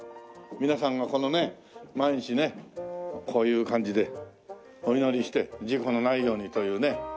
皆さんがこのね毎日ねこういう感じでお祈りして事故のないようにというね。